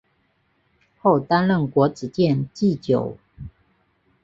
后担任国子监祭酒。